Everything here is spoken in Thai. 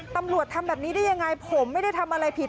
ตำรวจทำแบบนี้ได้ยังไงผมไม่ได้ทำอะไรผิด